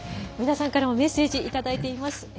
皆さんからもメッセージいただいています。